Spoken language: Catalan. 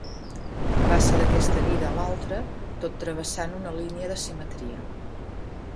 Passa d'aquesta vida a l'altra, tot travessant una línia de simetria.